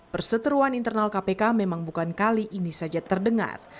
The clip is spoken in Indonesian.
perseteruan internal kpk memang bukan kali ini saja terdengar